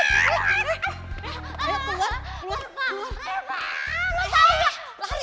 eh ayo keluar keluar keluar